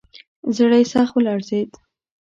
زړه یې سخت ولړزېد.